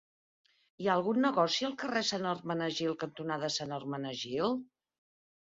Hi ha algun negoci al carrer Sant Hermenegild cantonada Sant Hermenegild?